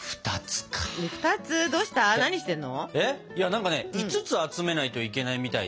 何かね５つ集めないといけないみたいで。